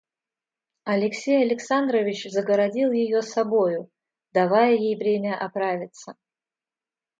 Алексей Александрович загородил ее собою, давая ей время оправиться.